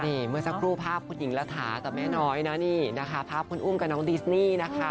เหมือนสักรูปภาพผู้หญิงราหะแต่แม่น้อยนะภาพคนอุ้มกับน้องดีสนี่นะครับ